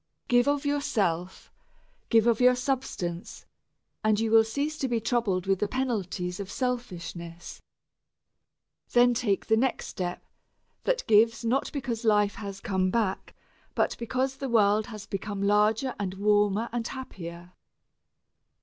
Give of yourself, give of your substance, and you will cease to be troubled with the penalties of selfishness. Then take the next step that gives not because life has come back, but because the world has become larger and warmer and happier.